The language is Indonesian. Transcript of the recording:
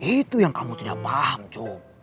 itu yang kamu tidak paham cuma